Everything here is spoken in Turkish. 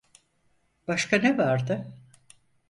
Başka ne vardı?